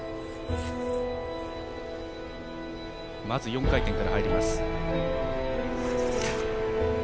まず４回転から入ります。